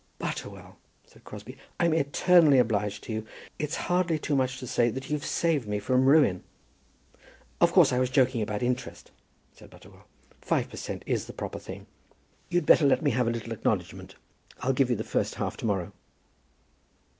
"Butterwell," said Crosbie, "I'm eternally obliged to you. It's hardly too much to say that you've saved me from ruin." "Of course I was joking about interest," said Butterwell. "Five per cent. is the proper thing. You'd better let me have a little acknowledgment. I'll give you the first half to morrow."